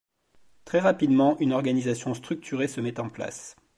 Très rapidement, une organisation structurée se met en place.